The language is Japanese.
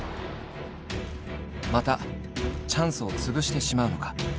「またチャンスを潰してしまうのか？」。